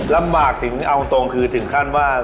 ลำบากถึงเอาตรงคือถึงขั้นว่า